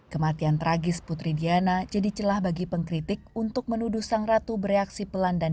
kematian tragis putri diana jadi celah bagi pengkritik untuk menuduh sang ratu berantakan